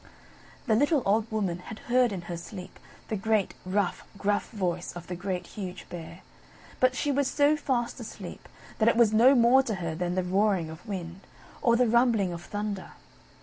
The little old Woman had heard in her sleep the great, rough, gruff voice of the Great, Huge Bear; but she was so fast asleep that it was no more to her than the roaring of wind, or the rumbling of thunder.